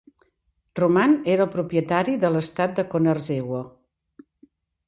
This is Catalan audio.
Roman era el propietari de l'estat de Konarzewo.